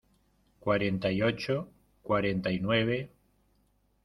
cuarenta y ocho, cuarenta y nueve.